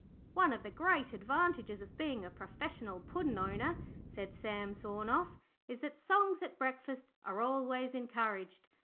'One of the great advantages of being a professional Puddin' owner,' said Sam Sawnoff, 'is that songs at breakfast are always encouraged.